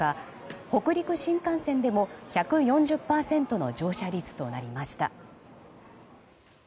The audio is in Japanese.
北陸新幹線でも１４０％の乗車率となりました。